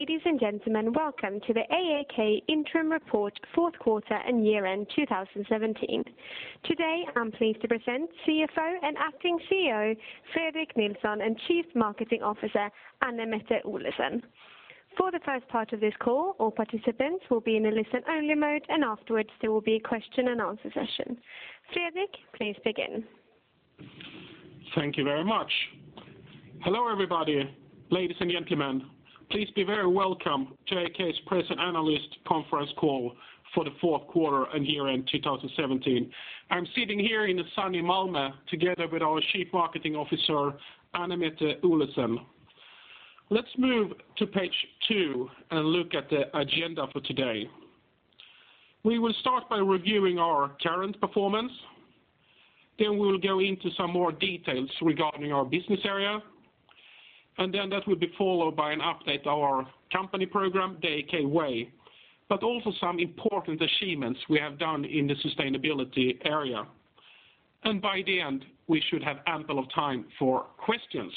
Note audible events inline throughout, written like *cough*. Ladies and gentlemen, welcome to the AAK Interim Report Fourth Quarter and Year End 2017. Today, I'm pleased to present CFO and acting CEO, Fredrik Nilsson, and Chief Marketing Officer, Anne-Mette Olesen. For the first part of this call, all participants will be in a listen-only mode. Afterwards, there will be a question and answer session. Fredrik, please begin. Thank you very much. Hello, everybody. Ladies and gentlemen, please be very welcome to AAK's Press and Analyst Conference Call for the fourth quarter and year end 2017. I'm sitting here in sunny Malmö together with our Chief Marketing Officer, Anne-Mette Olesen. Let's move to page two and look at the agenda for today. We will start by reviewing our current performance. We'll go into some more details regarding our business area. That will be followed by an update our company program, The AAK Way. Also some important achievements we have done in the sustainability area. By the end, we should have ample of time for questions.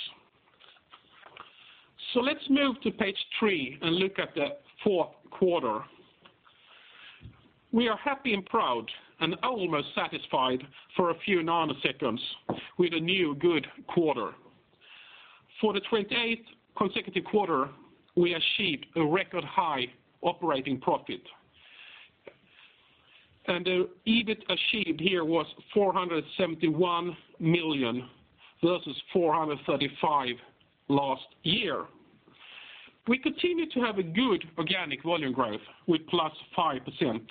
Let's move to page three and look at the fourth quarter. We are happy and proud and almost satisfied for a few nanoseconds with a new good quarter. For the 28th consecutive quarter, we achieved a record high operating profit. The EBIT achieved here was 471 million versus 435 million last year. We continue to have a good organic volume growth with +5%.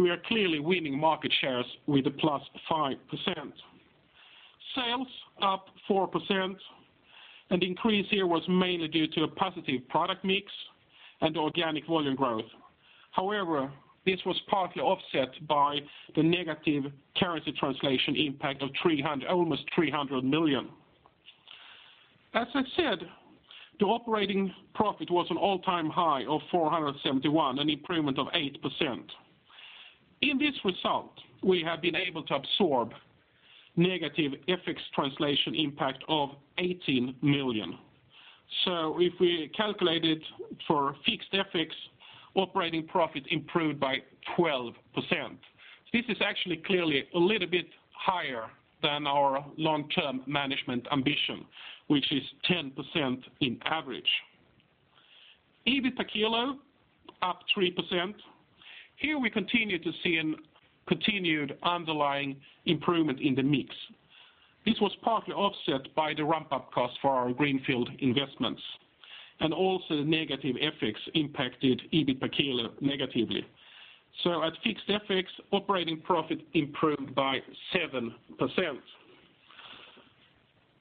We are clearly winning market shares with a +5%. Sales up 4%. Increase here was mainly due to a positive product mix and organic volume growth. However, this was partly offset by the negative currency translation impact of almost 300 million. As I said, the operating profit was an all-time high of 471 million, an improvement of 8%. In this result, we have been able to absorb negative FX translation impact of 18 million. If we calculate it for fixed FX, operating profit improved by 12%. This is actually clearly a little bit higher than our long-term management ambition, which is 10% in average. EBIT per kilo up 3%. Here we continue to see a continued underlying improvement in the mix. This was partly offset by the ramp-up cost for our greenfield investments. Also the negative FX impacted EBIT per kilo negatively. At fixed FX, operating profit improved by 7%.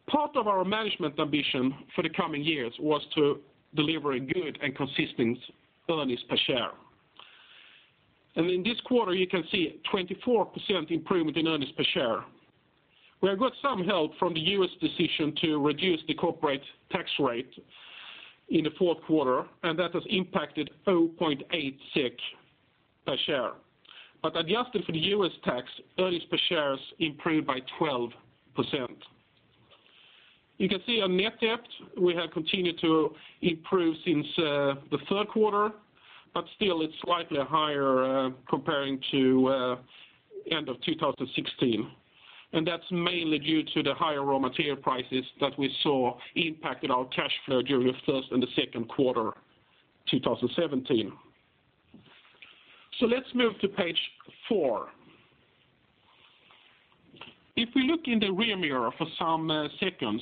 Part of our management ambition for the coming years was to deliver a good and consistent earnings per share. In this quarter, you can see 24% improvement in earnings per share. We have got some help from the U.S. decision to reduce the corporate tax rate in the fourth quarter. That has impacted 0.86 per share. Adjusted for the U.S. tax, earnings per shares improved by 12%. You can see our net debt. We have continued to improve since the third quarter. Still it's slightly higher comparing to end of 2016. That is mainly due to the higher raw material prices that we saw impacted our cash flow during the first and second quarter 2017. Let us move to page four. If we look in the rear mirror for some seconds,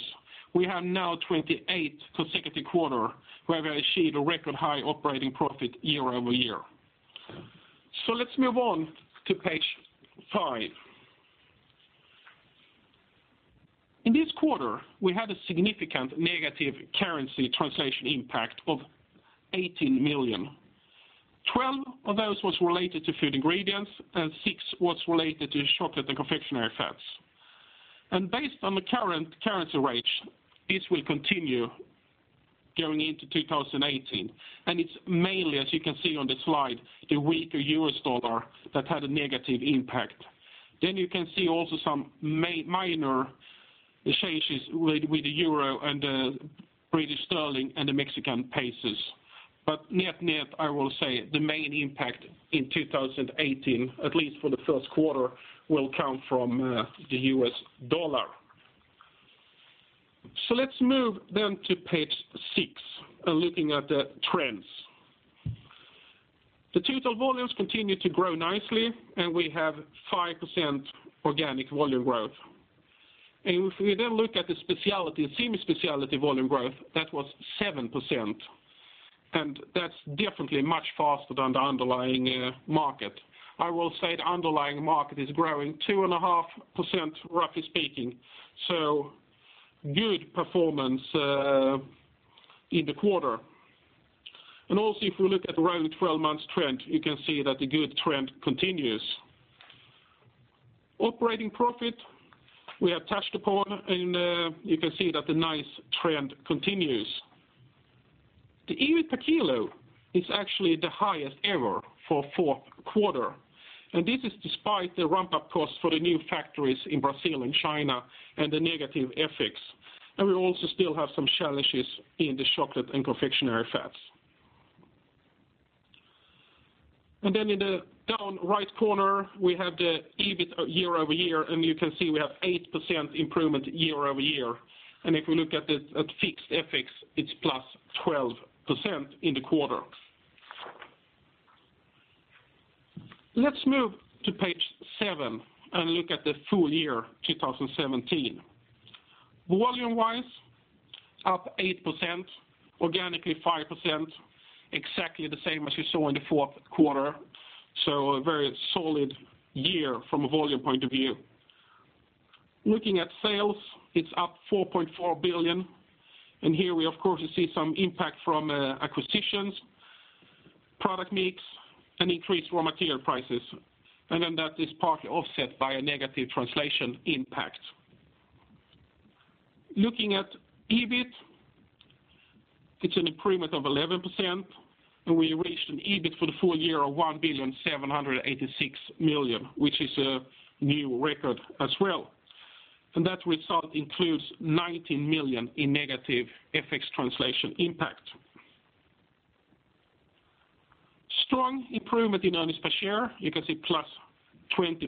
we have now 28 consecutive quarter where we achieved a record high operating profit year-over-year. Let us move on to page five. In this quarter, we had a significant negative currency translation impact of 18 million. 12 million of those was related to Food Ingredients, and 6 million was related to Chocolate and Confectionery Fats. Based on the current currency rates, this will continue going into 2018. It is mainly, as you can see on the slide, the weaker euro/dollar that had a negative impact. You can see also some minor changes with the euro and the British sterling and the Mexican pesos. Net-net, I will say the main impact in 2018, at least for the first quarter, will come from the U.S. dollar. Let us move then to page six, and looking at the trends. The total volumes continue to grow nicely, and we have 5% organic volume growth. If we then look at the specialty and semi-specialty volume growth, that was 7%, and that is definitely much faster than the underlying market. I will say the underlying market is growing 2.5%, roughly speaking. Good performance in the quarter. Also if we look at around the 12 months trend, you can see that the good trend continues. Operating profit we have touched upon, and you can see that the nice trend continues. The EBIT per kilo is actually the highest ever for fourth quarter. This is despite the ramp-up cost for the new factories in Brazil and China and the negative FX. We also still have some challenges in the Chocolate and Confectionery Fats. In the down right corner, we have the EBIT year-over-year, and you can see we have 8% improvement year-over-year. If we look at fixed FX, it is +12% in the quarter. Let us move to page seven and look at the full year 2017. Volume-wise, up 8%, organically 5%, exactly the same as you saw in the fourth quarter. A very solid year from a volume point of view. Looking at sales, it is up 4.4 billion. Here we, of course, see some impact from acquisitions, product mix, and increased raw material prices. That is partly offset by a negative translation impact. Looking at EBIT, it is an improvement of 11%, and we reached an EBIT for the full year of 1,786 million, which is a new record as well. That result includes 19 million in negative FX translation impact. Strong improvement in earnings per share. You can see +20%.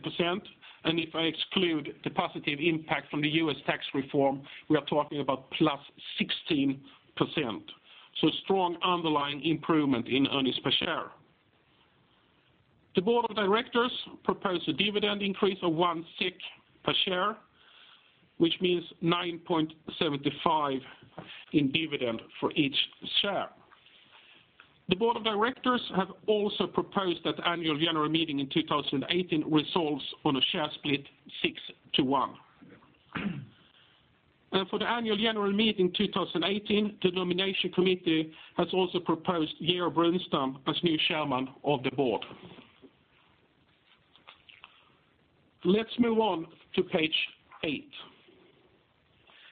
If I exclude the positive impact from the U.S. tax reform, we are talking about +16%. Strong underlying improvement in earnings per share. The board of directors propose a dividend increase of 1 per share, which means 9.75 in dividend for each share. The board of directors have also proposed that annual general meeting in 2018 resolves on a share split 6 to 1. For the annual general meeting 2018, the nomination committee has also proposed Georg Brunstam as new chairman of the board. Let us move on to page eight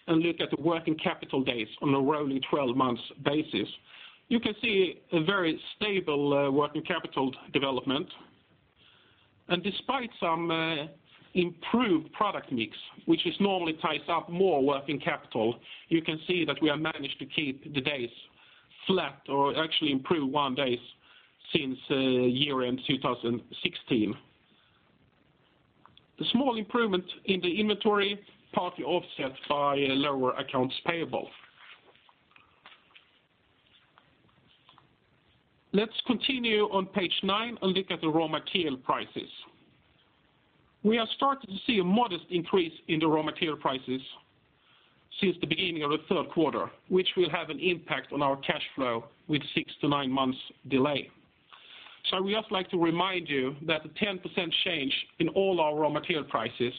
and look at the working capital days on a rolling 12 months basis. You can see a very stable working capital development. Despite some improved product mix, which is normally ties up more working capital, you can see that we have managed to keep the days flat or actually improve one day since year-end 2016. The small improvement in the inventory partly offset by lower accounts payable. Let us continue on page nine and look at the raw material prices. We are starting to see a modest increase in the raw material prices since the beginning of the third quarter, which will have an impact on our cash flow with six to nine months delay. We just like to remind you that a 10% change in all our raw material prices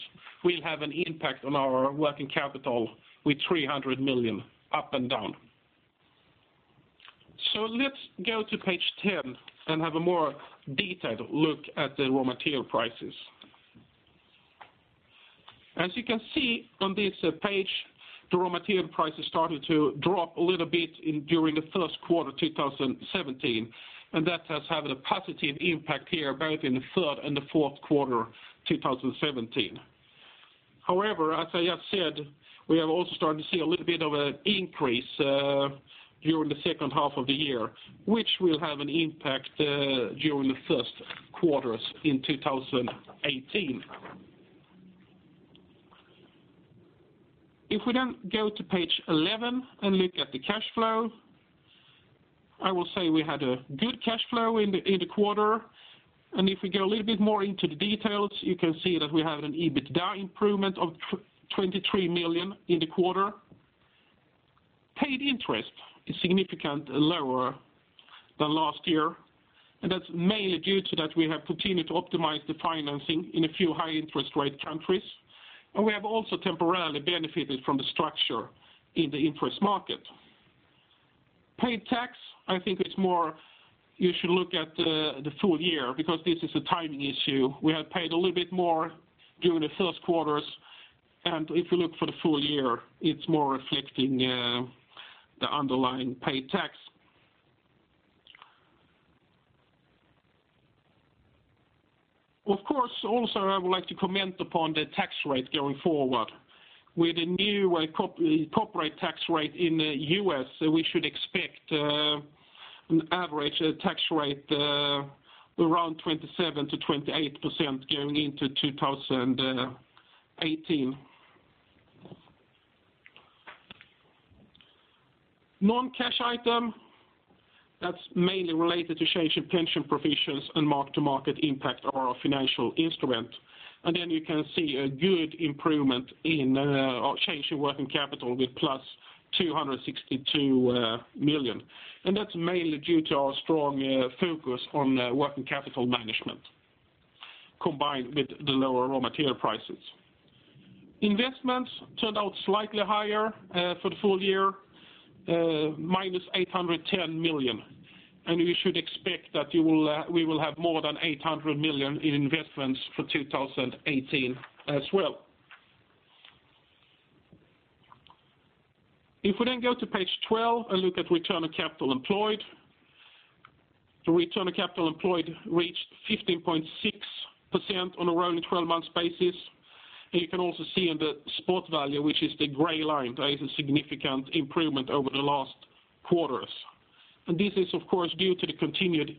will have an impact on our working capital with 300 million up and down. Let us go to page 10 and have a more detailed look at the raw material prices. As you can see on this page, the raw material prices started to drop a little bit during the first quarter 2017. That has had a positive impact here, both in the third and the fourth quarter 2017. However, as I have said, we have also started to see a little bit of an increase during the second half of the year, which will have an impact during the first quarters in 2018. We go to page 11 and look at the cash flow, I will say we had a good cash flow in the quarter. If we go a little bit more into the details, you can see that we have an EBITDA improvement of 23 million in the quarter. Paid interest is significantly lower than last year. That is mainly due to that we have continued to optimize the financing in a few high interest rate countries. We have also temporarily benefited from the structure in the interest market. Paid tax, I think it is more you should look at the full year because this is a timing issue. We have paid a little bit more during the first quarters. If you look for the full year, it is more reflecting the underlying paid tax. Of course, also, I would like to comment upon the tax rate going forward. With the new corporate tax rate in the U.S., we should expect an average tax rate around 27%-28% going into 2018. Non-cash item, that is mainly related to change in pension provisions and mark-to-market impact of our financial instrument. You can see a good improvement in our change in working capital with plus 262 million. That is mainly due to our strong focus on working capital management combined with the lower raw material prices. Investments turned out slightly higher for the full year, minus 810 million. You should expect that we will have more than 800 million in investments for 2018 as well. We go to page 12 and look at return on capital employed. The return on capital employed reached 15.6% on a rolling 12 months basis. You can also see in the spot value, which is the gray line, there is a significant improvement over the last quarters. This is of course due to the continued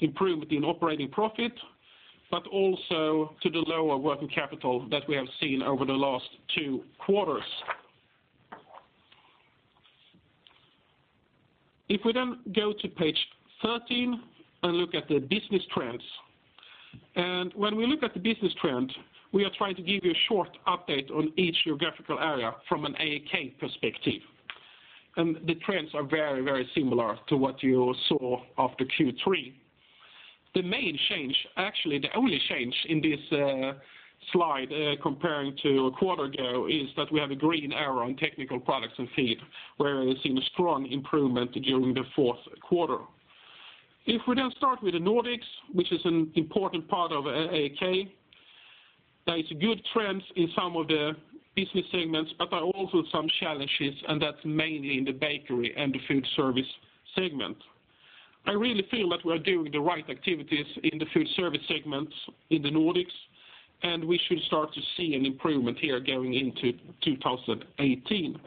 improvement in operating profit, also to the lower working capital that we have seen over the last two quarters. If we go to page 13 and look at the business trends. When we look at the business trend, we are trying to give you a short update on each geographical area from an AAK perspective. The trends are very similar to what you saw after Q3. The main change, actually the only change in this slide, comparing to a quarter ago, is that we have a green arrow on Technical Products & Feed, where we've seen a strong improvement during the fourth quarter. If we start with the Nordics, which is an important part of AAK, there is good trends in some of the business segments, there are also some challenges, that's mainly in the bakery and the foodservice segment. I really feel that we are doing the right activities in the foodservice segments in the Nordics, we should start to see an improvement here going into 2018.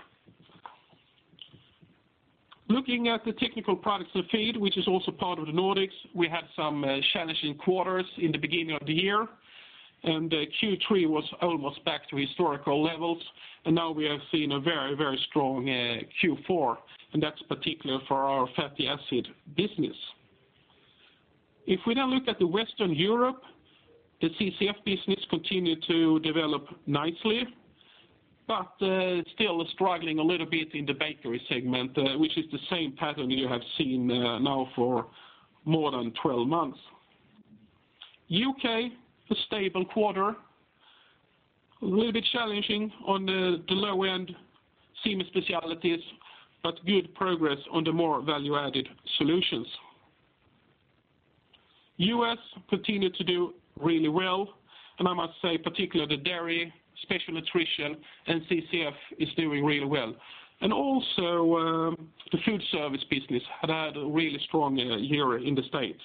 Looking at the Technical Products & Feed, which is also part of the Nordics, we had some challenging quarters in the beginning of the year, Q3 was almost back to historical levels. Now we have seen a very strong Q4, that's particular for our fatty acid business. If we now look at the Western Europe, the CCF business continued to develop nicely, still struggling a little bit in the bakery segment, which is the same pattern you have seen now for more than 12 months. U.K., a stable quarter, a little bit challenging on the low end semi-specialities, good progress on the more value-added solutions. U.S. continued to do really well, I must say particularly the dairy plus, special nutrition, CCF is doing really well. Also, the foodservice business had had a really strong year in the States.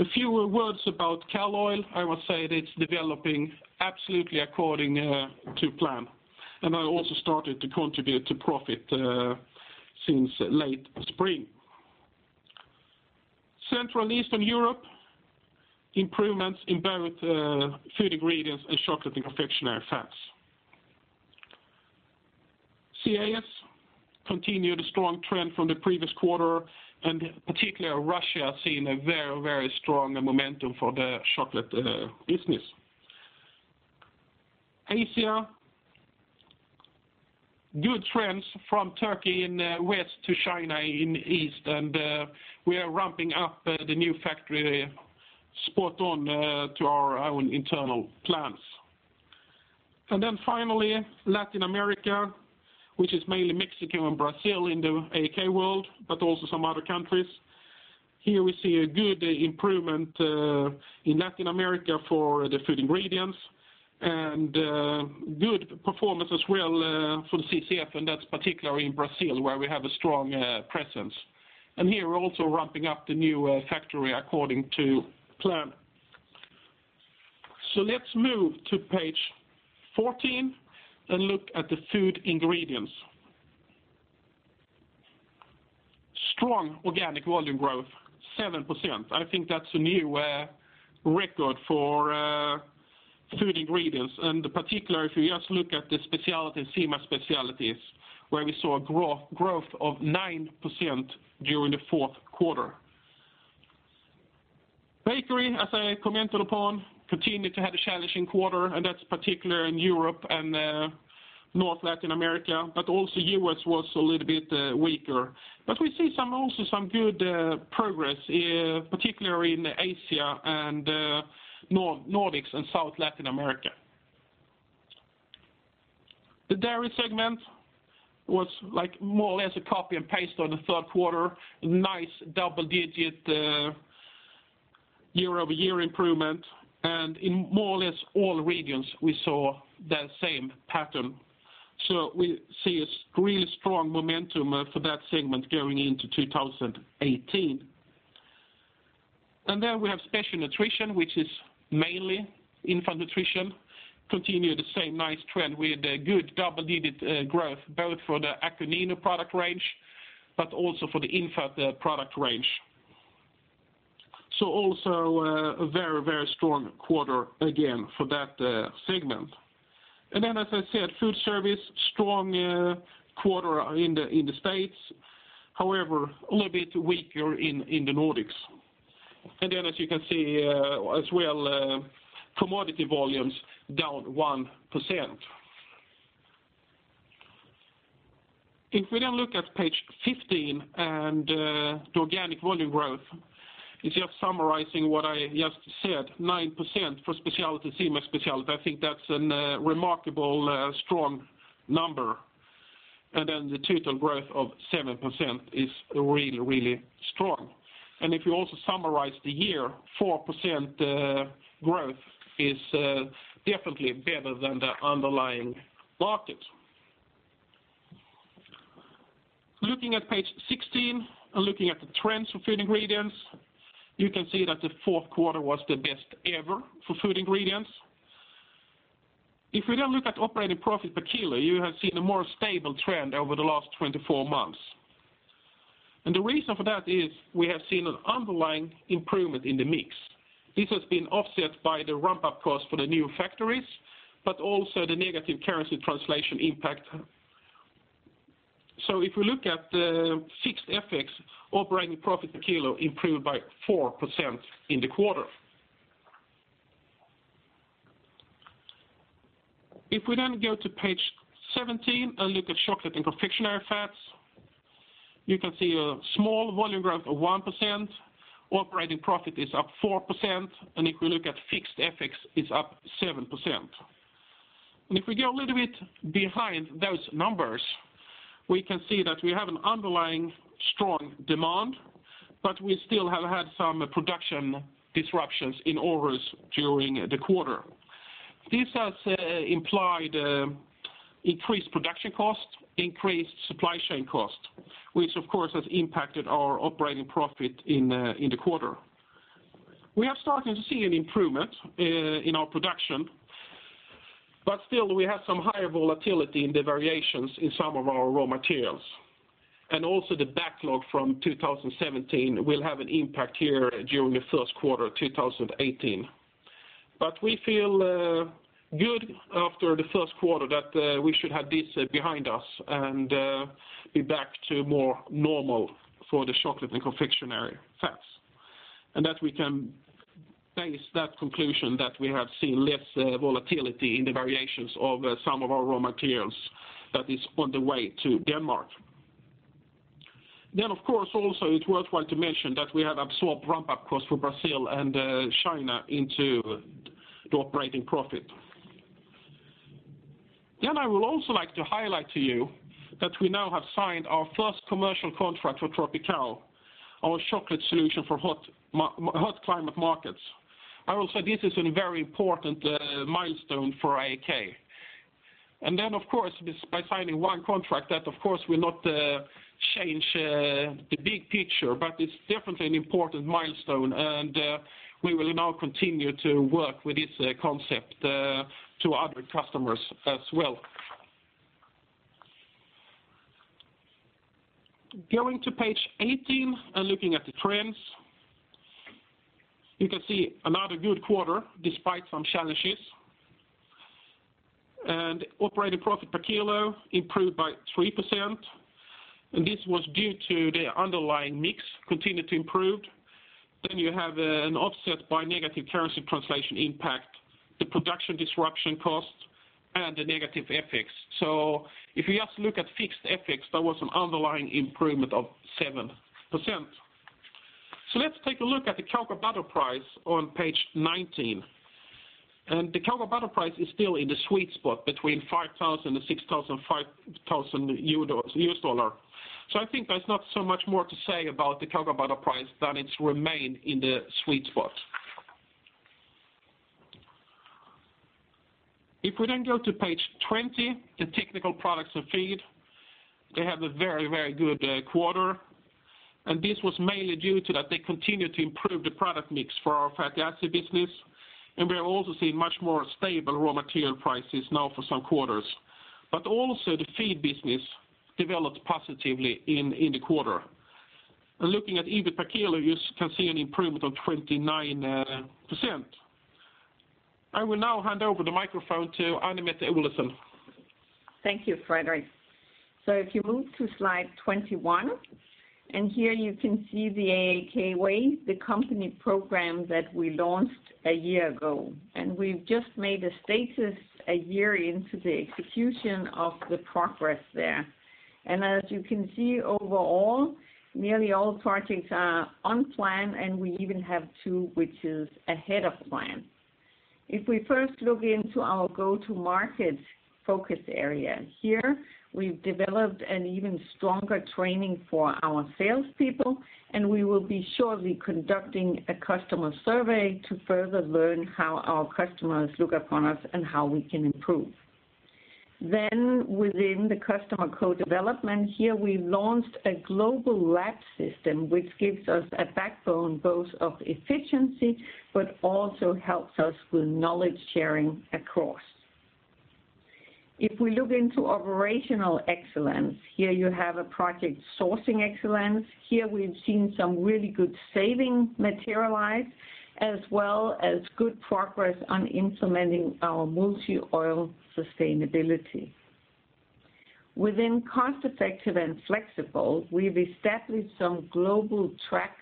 A few words about CalOils. I would say it is developing absolutely according to plan, now also started to contribute to profit since late spring. Central Eastern Europe, improvements in both Food Ingredients and Chocolate and Confectionery Fats. CIS continued a strong trend from the previous quarter, particularly Russia has seen a very strong momentum for the chocolate business. Asia, good trends from Turkey in the west to China in the east, we are ramping up the new factory spot on to our own internal plans. Finally, Latin America, which is mainly Mexico and Brazil in the AAK world, also some other countries. Here we see a good improvement in Latin America for the Food Ingredients and good performance as well for the CCF, that's particularly in Brazil where we have a strong presence. Here we're also ramping up the new factory according to plan. Let's move to page 14 and look at the Food Ingredients. Strong organic volume growth, 7%. I think that's a new record for Food Ingredients. Particularly if you just look at the semi-specialities, where we saw a growth of 9% during the fourth quarter. Bakery, as I commented upon, continued to have a challenging quarter, and that's particularly in Europe and North Latin America, but also U.S. was a little bit weaker. We see also some good progress, particularly in Asia and Nordics and South Latin America. The dairy segment was more or less a copy and paste on the third quarter. Nice double-digit year-over-year improvement. In more or less all regions, we saw that same pattern. We see a really strong momentum for that segment going into 2018. We have special nutrition, which is mainly infant nutrition. Continue the same nice trend with good double-digit growth, both for the Akonino product range, but also for the infant product range. Also a very strong quarter again for that segment. As I said, foodservice, strong quarter in the States. However, a little bit weaker in the Nordics. As you can see as well, commodity volumes down 1%. If we look at page 15 and the organic volume growth, it's just summarizing what I just said, 9% for semi-speciality. I think that's a remarkably strong number. The total growth of 7% is really strong. If you also summarize the year, 4% growth is definitely better than the underlying market. Looking at page 16, and looking at the trends for Food Ingredients, you can see that the fourth quarter was the best ever for Food Ingredients. If we look at operating profit per kilo, you have seen a more stable trend over the last 24 months. The reason for that is we have seen an underlying improvement in the mix. This has been offset by the ramp-up cost for the new factories, but also the negative currency translation impact. If we look at the fixed FX, operating profit per kilo improved by 4% in the quarter. If we go to page 17 and look at Chocolate and Confectionery Fats, you can see a small volume growth of 1%, operating profit is up 4%, and if we look at fixed FX, it's up 7%. If we go a little bit behind those numbers, we can see that we have an underlying strong demand, but we still have had some production disruptions in Aarhus during the quarter. This has implied increased production costs, increased supply chain costs, which of course has impacted our operating profit in the quarter. We are starting to see an improvement in our production, but still, we have some higher volatility in the variations in some of our raw materials. Also the backlog from 2017 will have an impact here during the first quarter of 2018. We feel good after the first quarter that we should have this behind us and be back to more normal for the Chocolate and Confectionery Fats. We can base that conclusion that we have seen less volatility in the variations of some of our raw materials that is on the way to Denmark. Of course, also, it's worthwhile to mention that we have absorbed ramp-up costs for Brazil and China into the operating profit. I would also like to highlight to you that we now have signed our first commercial contract for TROPICAO, our chocolate solution for hot climate markets. This is a very important milestone for AAK. Of course, by signing one contract, that of course will not change the big picture, but it is definitely an important milestone and we will now continue to work with this concept to other customers as well. Going to page 18 and looking at the trends, you can see another good quarter despite some challenges. Operating profit per kilo improved by 3%, and this was due to the underlying mix continue to improve. You have an offset by negative currency translation impact, the production disruption cost, and the negative FX. If you just look at fixed FX, there was an underlying improvement of 7%. Let's take a look at the cocoa butter price on page 19. The cocoa butter price is still in the sweet spot between $5,000-$6,500. I think there's not so much more to say about the cocoa butter price than it remains in the sweet spot. If we go to page 20, the Technical Products & Feed, they have a very good quarter, and this was mainly due to that they continue to improve the product mix for our fatty acid business, and we are also seeing much more stable raw material prices now for some quarters. Also the feed business developed positively in the quarter. Looking at EBIT per kilo, you can see an improvement of 29%. I will now hand over the microphone to Anne-Mette Olesen. Thank you, Fredrik. If you move to slide 21, here you can see The AAK Way, the company program that we launched a year ago. We've just made a status a year into the execution of the progress there. As you can see overall, nearly all projects are on plan, and we even have two which is ahead of plan. If we first look into our go-to-market focus area here, we've developed an even stronger training for our salespeople, and we will be shortly conducting a customer survey to further learn how our customers look upon us and how we can improve. Within the customer co-development here, we launched a global lab system, which gives us a backbone both of efficiency, but also helps us with knowledge sharing across. If we look into operational excellence, here you have a project sourcing excellence. Here we've seen some really good saving materialize, as well as good progress on implementing our multi-oil sustainability. Within cost-effective and flexible, we've established some global tracks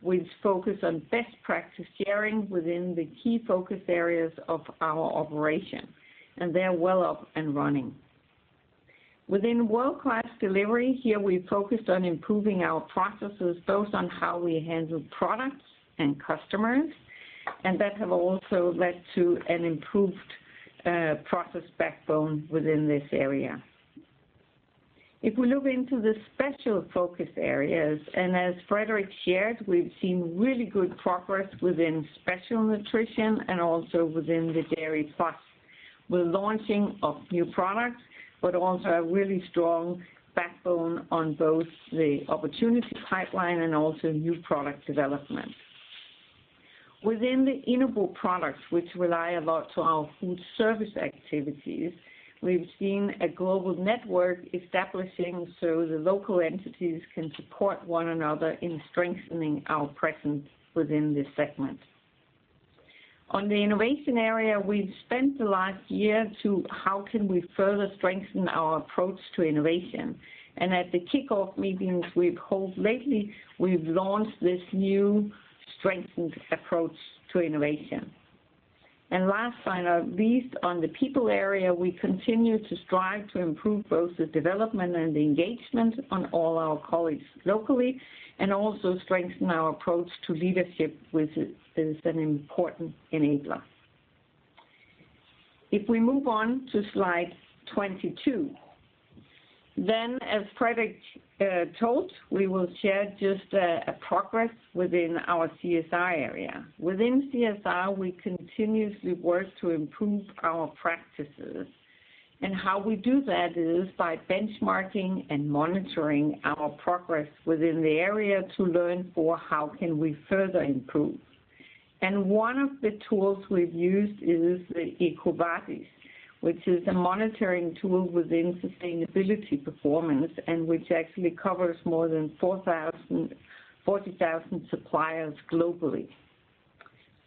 which focus on best practice sharing within the key focus areas of our operation, and they're well up and running. Within world-class delivery, here we focused on improving our processes, both on how we handle products and customers, that have also led to an improved process backbone within this area. If we look into the special focus areas, as Fredrik shared, we've seen really good progress within special nutrition and also within the dairy plus. We're launching a few products, but also a really strong backbone on both the opportunity pipeline and also new product development. Within the *inaudible* products, which rely a lot to our foodservice activities, we've seen a global network establishing so the local entities can support one another in strengthening our presence within this segment. On the innovation area, we've spent the last year to how can we further strengthen our approach to innovation. At the kickoff meetings we've held lately, we've launched this new strengthened approach to innovation. Last but not least, on the people area, we continue to strive to improve both the development and the engagement on all our colleagues locally, and also strengthen our approach to leadership, which is an important enabler. If we move on to slide 22, as Fredrik told, we will share just a progress within our CSR area. Within CSR, we continuously work to improve our practices, how we do that is by benchmarking and monitoring our progress within the area to learn for how can we further improve. One of the tools we've used is the EcoVadis, which is a monitoring tool within sustainability performance, and which actually covers more than 40,000 suppliers globally.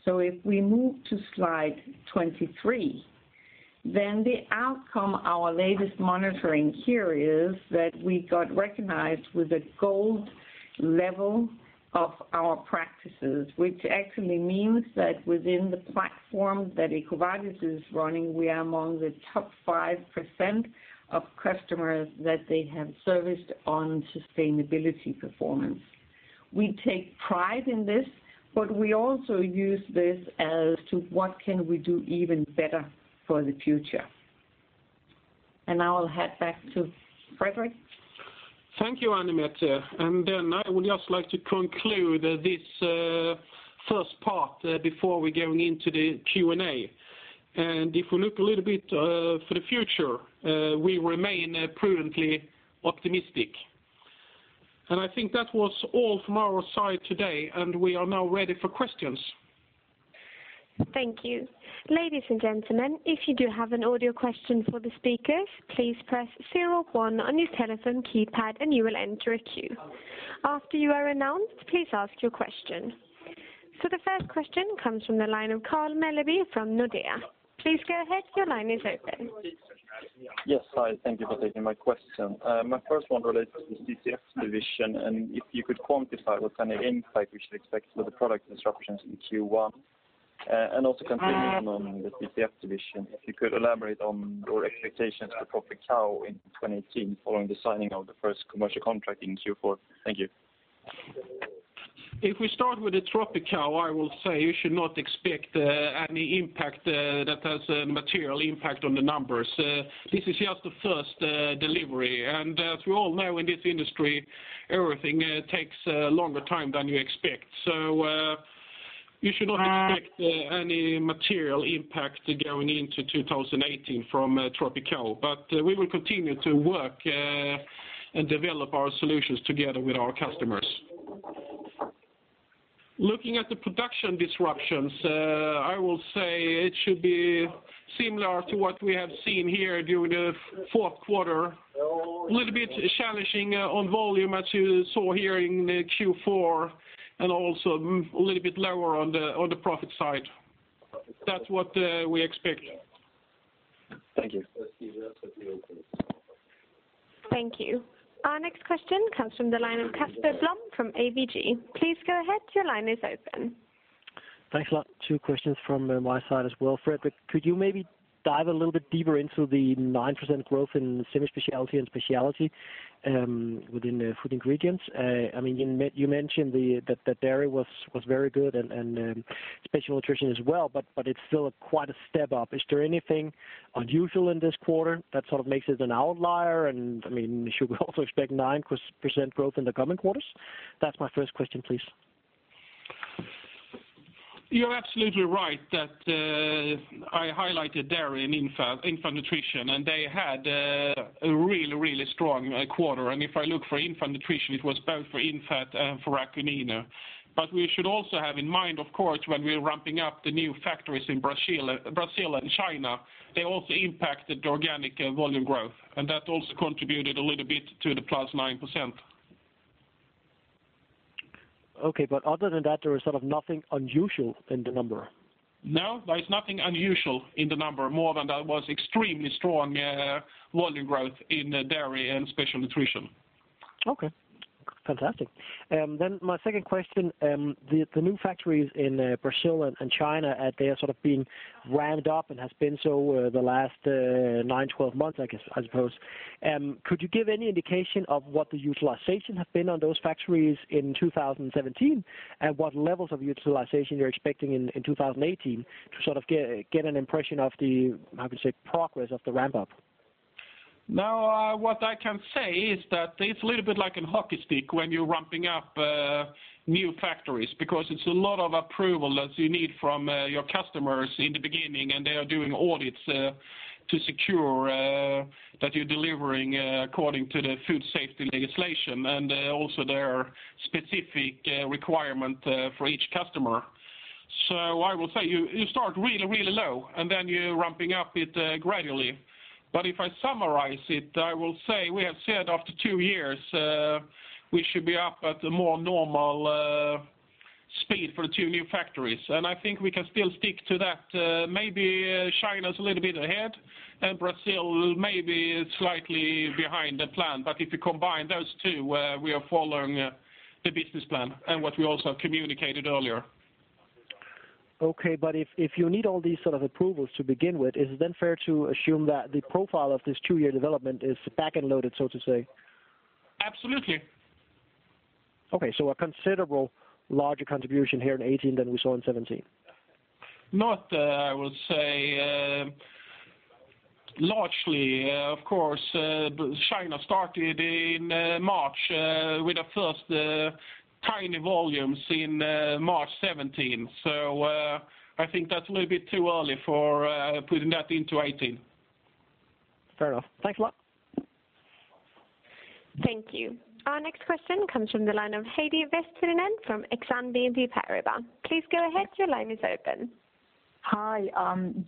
If we move to slide 23, the outcome our latest monitoring here is that we got recognized with a gold level of our practices, which actually means that within the platform that EcoVadis is running, we are among the top 5% of customers that they have serviced on sustainability performance. We take pride in this, but we also use this as to what can we do even better for the future. Now I'll hand back to Fredrik. Thank you, Anne-Mette. I would just like to conclude this first part before we going into the Q&A. If we look a little bit for the future, we remain prudently optimistic. I think that was all from our side today, and we are now ready for questions. Thank you. Ladies and gentlemen, if you do have an audio question for the speakers, please press 01 on your telephone keypad and you will enter a queue. After you are announced, please ask your question. The first question comes from the line of Carl Mellby from Nordea. Please go ahead, your line is open. Yes. Hi, thank you for taking my question. My first one relates to the CCF division. If you could quantify what kind of impact we should expect for the product disruptions in Q1? Also continuing on the CCF division, if you could elaborate on your expectations for TROPICAO in 2018 following the signing of the first commercial contract in Q4. Thank you. If we start with the TROPICAO, I will say you should not expect any impact that has a material impact on the numbers. This is just the first delivery. As we all know in this industry, everything takes a longer time than you expect. You should not expect any material impact going into 2018 from TROPICAO. We will continue to work and develop our solutions together with our customers. Looking at the production disruptions, I will say it should be similar to what we have seen here during the fourth quarter. A little bit challenging on volume as you saw here in the Q4, also a little bit lower on the profit side. That's what we expect. Thank you. Thank you. Our next question comes from the line of Casper Blom from ABG. Please go ahead, your line is open. Thanks a lot. Two questions from my side as well. Fredrik, could you maybe dive a little bit deeper into the 9% growth in semi-specialty and specialty within the Food Ingredients? You mentioned that dairy was very good and special nutrition as well, but it's still quite a step up. Is there anything unusual in this quarter that sort of makes it an outlier? Should we also expect 9% growth in the coming quarters? That's my first question, please. You're absolutely right that I highlighted dairy and infant nutrition, and they had a really, really strong quarter. If I look for infant nutrition, it was both for infant and for Akonino. We should also have in mind, of course, when we are ramping up the new factories in Brazil and China, they also impacted the organic volume growth, and that also contributed a little bit to the plus 9%. Okay. Other than that, there is sort of nothing unusual in the number? No, there is nothing unusual in the number more than that was extremely strong volume growth in dairy and special nutrition. My second question, the new factories in Brazil and China, they are sort of being ramped up and has been so the last 9, 12 months, I suppose. Could you give any indication of what the utilization has been on those factories in 2017, and what levels of utilization you're expecting in 2018 to sort of get an impression of the, I would say, progress of the ramp-up? What I can say is that it's a little bit like a hockey stick when you're ramping up new factories, because it's a lot of approvals you need from your customers in the beginning, and they are doing audits to secure that you're delivering according to the food safety legislation, and also their specific requirement for each customer. I will say, you start really low, and then you're ramping up it gradually. If I summarize it, I will say we have said after 2 years, we should be up at the more normal speed for the 2 new factories. I think we can still stick to that. Maybe China's a little bit ahead, and Brazil may be slightly behind the plan. If you combine those 2, we are following the business plan and what we also communicated earlier. Okay. If you need all these sort of approvals to begin with, is it then fair to assume that the profile of this 2-year development is back-end loaded, so to say? Absolutely. Okay, a considerably larger contribution here in 2018 than we saw in 2017. Not, I will say, largely. Of course China started in March with the first tiny volumes in March 2017. I think that's a little bit too early for putting that into 2018. Fair enough. Thanks a lot. Thank you. Our next question comes from the line of Heidi Vesterinen from Exane BNP Paribas. Please go ahead, your line is open. Hi.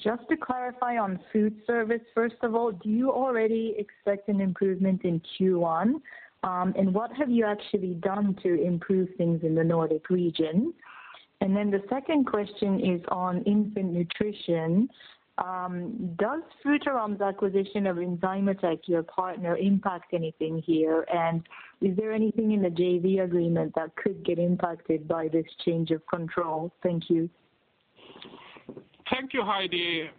Just to clarify on foodservice, first of all, do you already expect an improvement in Q1? What have you actually done to improve things in the Nordic region? The second question is on infant nutrition. Does Frutarom's acquisition of Enzymotec, your partner, impact anything here? Is there anything in the JV agreement that could get impacted by this change of control? Thank you. Thank you, Heidi.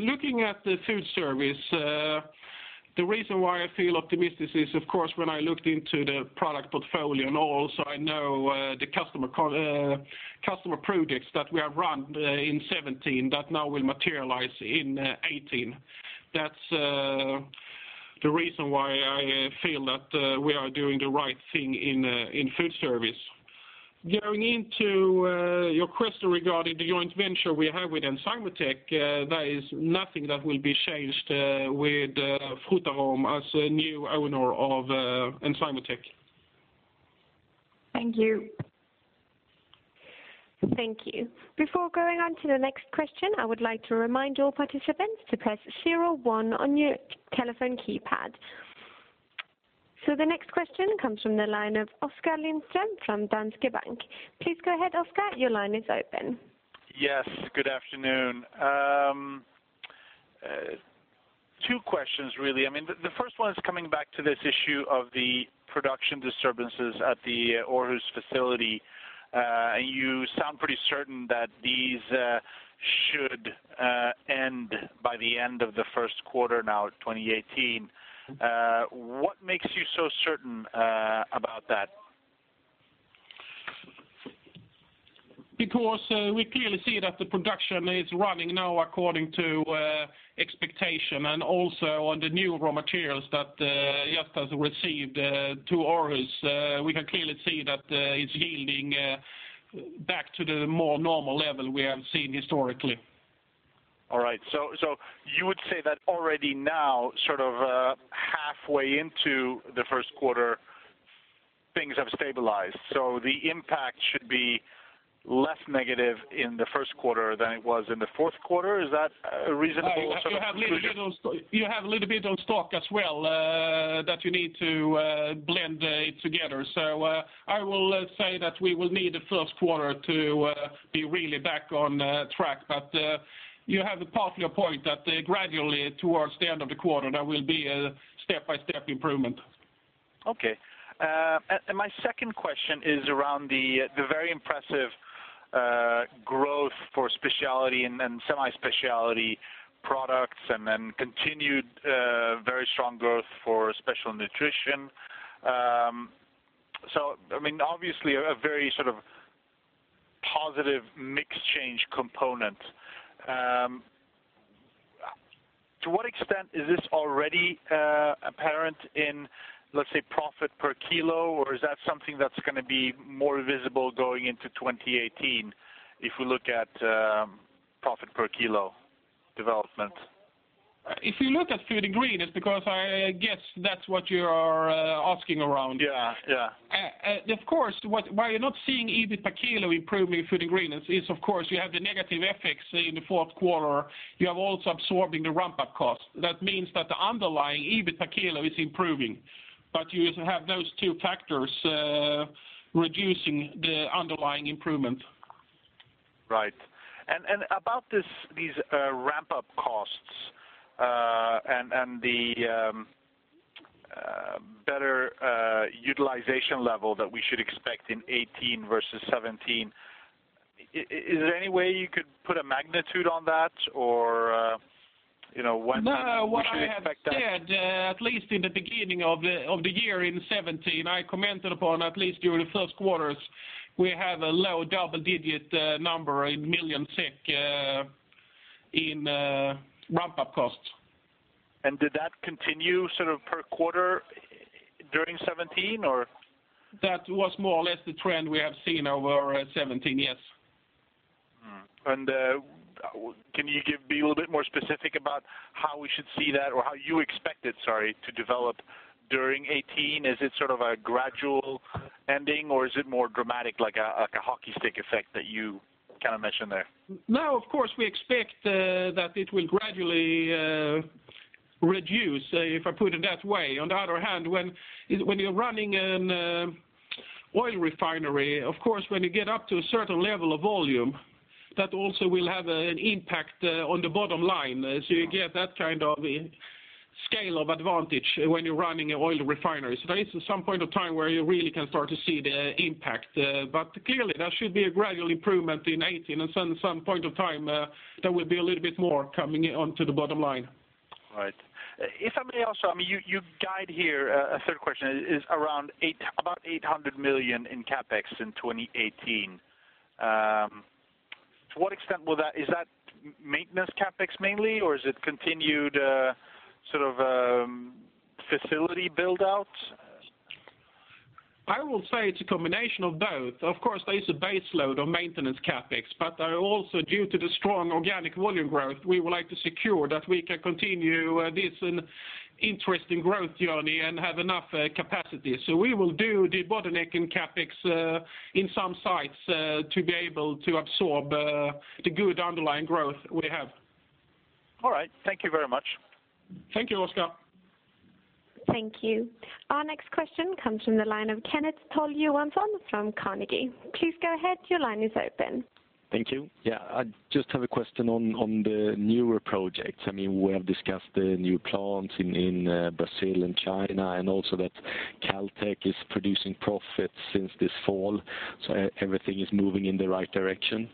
Looking at the foodservice, the reason why I feel optimistic is, of course, when I looked into the product portfolio and also I know the customer projects that we have run in 2017 that now will materialize in 2018. That's the reason why I feel that we are doing the right thing in foodservice. Going into your question regarding the joint venture we have with Enzymotec, there is nothing that will be changed with Frutarom as a new owner of Enzymotec. Thank you. Thank you. Before going on to the next question, I would like to remind all participants to press 01 on your telephone keypad. The next question comes from the line of Oskar Lindström from Danske Bank. Please go ahead, Oskar, your line is open. Yes, good afternoon. Two questions, really. The first one is coming back to this issue of the production disturbances at the Aarhus facility. You sound pretty certain that these should end by the end of the first quarter now of 2018. What makes you so certain about that? We clearly see that the production is running now according to expectation, and also on the new raw materials that AAK has received to Aarhus, we can clearly see that it is yielding back to the more normal level we have seen historically. All right. You would say that already now, sort of halfway into the first quarter, things have stabilized. The impact should be less negative in the first quarter than it was in the fourth quarter? Is that a reasonable sort of conclusion? You have a little bit on stock as well that you need to blend together. I will say that we will need the first quarter to be really back on track. You have partly a point that gradually towards the end of the quarter, there will be a step-by-step improvement. Okay. My second question is around the very impressive growth for specialty and semi-specialty products, and then continued very strong growth for special nutrition. Obviously a very sort of positive mix change component. To what extent is this already apparent in, let us say, profit per kilo? Or is that something that is going to be more visible going into 2018 if we look at profit per kilo development? If you look at Food Ingredients, because I guess that's what you are asking around. Yeah. Of course, why you're not seeing EBIT per kilo improving Food Ingredients is, of course, you have the negative FX in the fourth quarter. You are also absorbing the ramp-up cost. That means that the underlying EBIT per kilo is improving. You have those two factors reducing the underlying improvement. Right. About these ramp-up costs, and the better utilization level that we should expect in 2018 versus 2017. Is there any way you could put a magnitude on that? Or when should we expect that? What I have said, at least in the beginning of the year in 2017, I commented upon at least during the first quarters, we have a low double-digit number in million SEK in ramp-up costs. Did that continue per quarter during 2017? That was more or less the trend we have seen over 17 years. Can you be a little bit more specific about how we should see that or how you expect it, sorry, to develop during 2018? Is it a gradual ending or is it more dramatic, like a hockey stick effect that you mentioned there? Of course, we expect that it will gradually reduce, if I put it that way. On the other hand, when you're running an oil refinery, of course, when you get up to a certain level of volume, that also will have an impact on the bottom line. You get that kind of scale of advantage when you're running oil refineries. There is some point of time where you really can start to see the impact. Clearly there should be a gradual improvement in 2018, and some point of time, there will be a little bit more coming onto the bottom line. Right. If I may also, your guide here, a third question is around 800 million in CapEx in 2018. Is that maintenance CapEx mainly, or is it continued facility build-outs? I will say it's a combination of both. Of course, there is a base load on maintenance CapEx, but also due to the strong organic volume growth, we would like to secure that we can continue this interesting growth journey and have enough capacity. We will do the bottleneck in CapEx in some sites to be able to absorb the good underlying growth we have. All right. Thank you very much. Thank you, Oskar. Thank you. Our next question comes from the line of Kenneth Toll Johansson from Carnegie. Please go ahead, your line is open. Thank you. Yeah, I just have a question on the newer projects. We have discussed the new plants in Brazil and China, and also that CalOils is producing profits since this fall, so everything is moving in the right direction,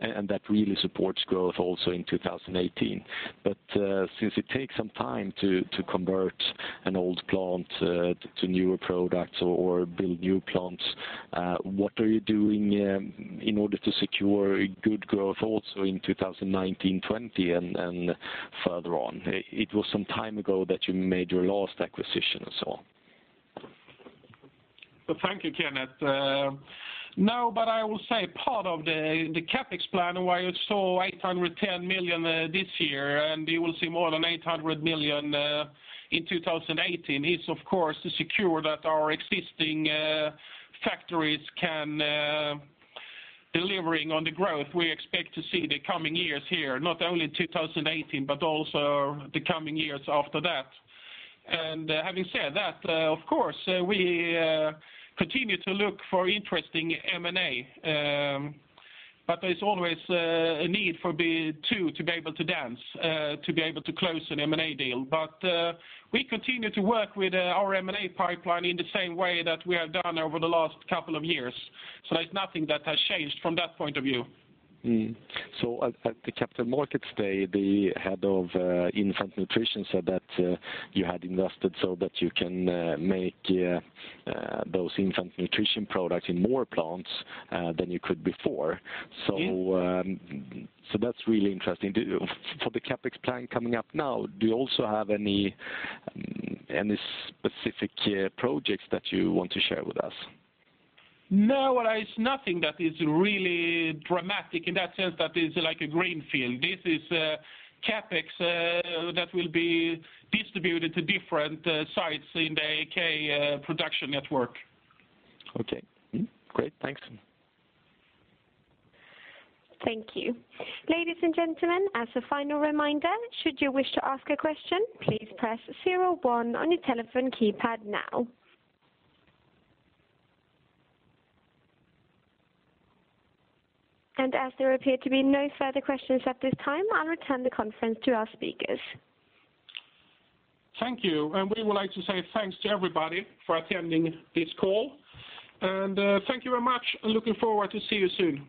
and that really supports growth also in 2018. Since it takes some time to convert an old plant to newer products or build new plants, what are you doing in order to secure a good growth also in 2019, 2020, and further on? It was some time ago that you made your last acquisition, and so on. Thank you, Kenneth. No, I will say part of the CapEx plan, why you saw 810 million this year, and you will see more than 800 million in 2018, is of course to secure that our existing factories can delivering on the growth we expect to see the coming years here, not only 2018, but also the coming years after that. Having said that, of course, we continue to look for interesting M&A, but there's always a need for two to be able to dance, to be able to close an M&A deal. We continue to work with our M&A pipeline in the same way that we have done over the last couple of years. There's nothing that has changed from that point of view. At the Capital Markets Day, the head of infant nutrition said that you had invested so that you can make those infant nutrition products in more plants than you could before. Yes. That's really interesting. For the CapEx plan coming up now, do you also have any specific projects that you want to share with us? No, there's nothing that is really dramatic in that sense that is like a greenfield. This is CapEx that will be distributed to different sites in the AAK production network. Okay. Great. Thanks. Thank you. Ladies and gentlemen, as a final reminder, should you wish to ask a question, please press zero one on your telephone keypad now. As there appear to be no further questions at this time, I'll return the conference to our speakers. Thank you, and we would like to say thanks to everybody for attending this call. Thank you very much, and looking forward to see you soon.